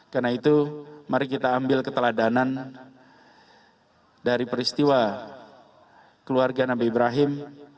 karena itu mari kita ambil keteladanan dari peristiwa keluarga nabi ibrahim